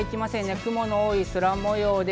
雲の多い空模様です。